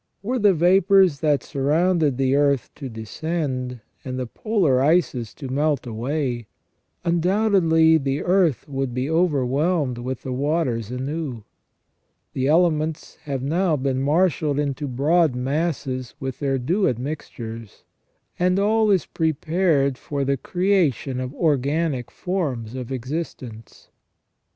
Were the vapours that surround the earth to descend, and the polar ices to melt away, undoubtedly the earth would be overwhelmed with the waters anew. The ele ments have now been marshalled into broad masses with their due admixtures, and all is prepared for the creation of organic forms of existence.